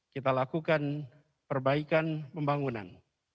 kita lakukan perbaikan pembangunan